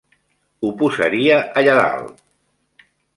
Ho posaria allà dalt!